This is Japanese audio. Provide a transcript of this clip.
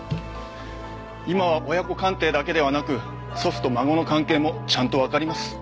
今は親子鑑定だけではなく祖父と孫の関係もちゃんとわかります。